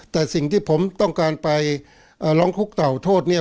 แต่สิ่งที่ผมต้องการไปร้องทุกข์เต่าโทษเนี่ย